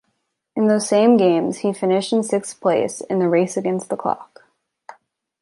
In those same games he finished in sixth place in the race against the clock.